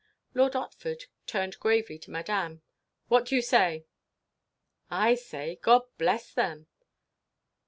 Lord Otford turned gravely to Madame. "What do you say?" "I say, God bless them."